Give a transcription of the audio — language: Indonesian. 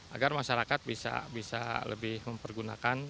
agar masyarakat bisa lebih mempergunakan